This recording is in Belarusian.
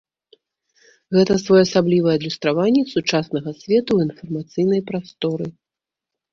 Гэта своеасаблівае адлюстраванне сучаснага свету ў інфармацыйнай прасторы.